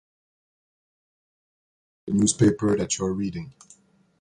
John used to work for the newspaper that you are reading.